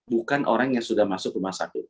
bukan orang yang sudah masuk rumah sakit